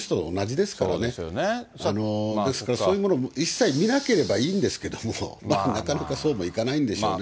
ですからそういうもの、一切見なければいいんですけども、なかなかそうもいかないんでしょうね。